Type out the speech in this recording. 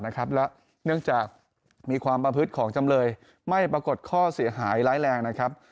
และเนื่องจากมีความประพฤติของจำเลยไม่ปรากฏข้อเสียหายร้ายแรงนะครับ